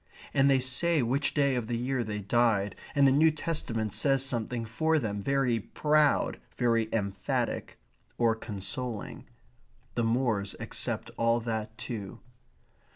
And they say which day of the year they died, and the New Testament says something for them, very proud, very emphatic, or consoling. The moors accept all that too.